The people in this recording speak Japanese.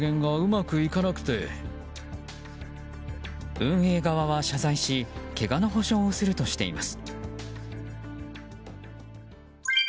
運営側は謝罪しけがの補償をするとしています。